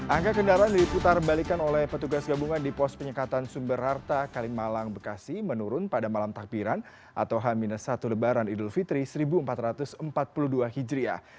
angka kendaraan diputar balikan oleh petugas gabungan di pos penyekatan sumber harta kalimalang bekasi menurun pada malam takbiran atau h satu lebaran idul fitri seribu empat ratus empat puluh dua hijriah